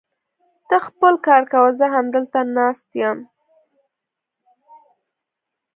ته خپل کار کوه، زه همدلته ناست يم.